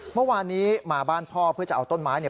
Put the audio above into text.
เมื่อวานนี้มาบ้านพ่อเพื่อจะเอาต้นไม้เนี่ย